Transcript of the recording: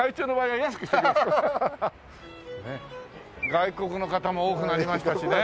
外国の方も多くなりましたしねえ。